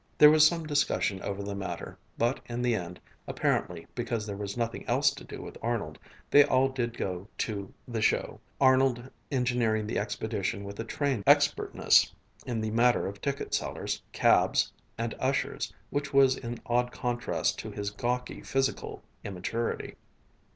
There was some discussion over the matter, but in the end, apparently because there was nothing else to do with Arnold, they all did go to the "show," Arnold engineering the expedition with a trained expertness in the matter of ticket sellers, cabs, and ushers which was in odd contrast to his gawky physical immaturity.